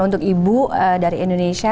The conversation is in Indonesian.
untuk ibu dari indonesia